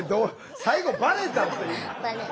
最後バレたって。